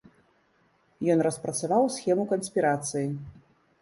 Ён распрацаваў схему канспірацыі.